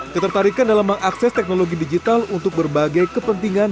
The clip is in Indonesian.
ketertarikan dalam mengakses teknologi digital untuk berbagai kepentingan